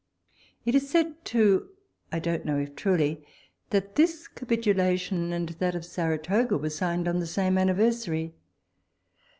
It is said too, I don't know if truly, that this capitulation and that of Saratoga were signed on the same anniversary.